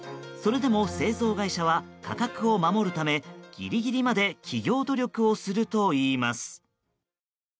それでも製造会社は価格を守るためぎりぎりまで企業努力をするといいます。